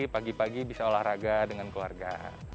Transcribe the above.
pagi pagi bisa olahraga dengan keluarga